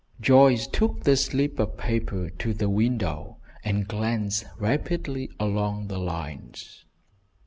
Joyce took the slip of paper to the window, and glanced rapidly along the lines.